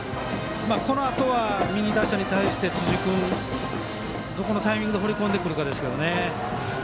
このあとは右打者に対して辻君をどこのタイミングで放り込んでくるかですね。